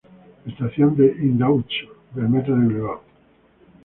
Estación de Indautxu del Metro de Bilbao.